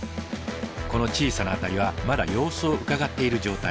この小さなアタリはまだ様子をうかがっている状態。